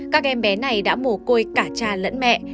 các em bé này đã mồ côi cả cha lẫn mẹ